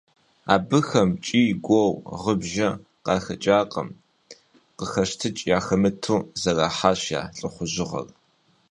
Абыхэм кӀий-гуо, гъы-бжэ къахэкӀакъым – къыхэщтыкӀ яхэмыту, зэрахьащ я лӀыхъужьыгъэр.